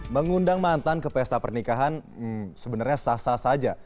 mengundang mantan ke pesta pernikahan sebenarnya sah sah saja